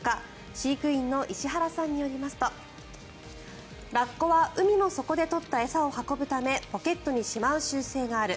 飼育員の石原さんによりますとラッコは海の底で取った餌を運ぶためポケットにしまう習性がある。